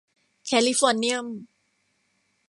แคลิฟอร์เนียม